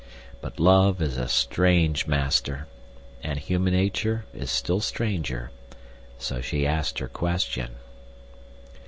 But love is a strange master, and human nature is still stranger, so she asked her question.